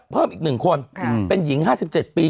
เพิ่มอีก๑คนเป็นหญิง๕๗ปี